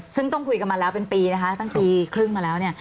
ซึ่งต้องคุยกันมาแล้วเป็นปีนะคะตั้งปีครึ่งมาแล้วเนี่ย